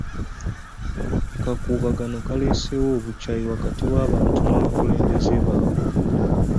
Akakuubagano kaleeseewo obukyayi wakati w'abantu n'abakulembeze baabwe.